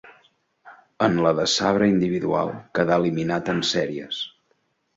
En la de sabre individual quedà eliminat en sèries.